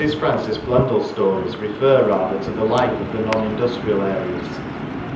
Francis BlundelPs stories refer rather to the life of the non industrial areas.